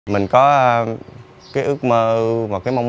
mình có ước mơ và mong muốn tìm được một nghề gì đó ổn định để giúp đỡ cho gia đình